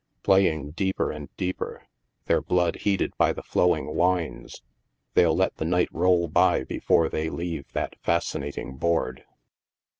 Playing deeper and deeper, their blood heated by the flowing wines, they'll let the night roll by be fore they leave that fascinating board.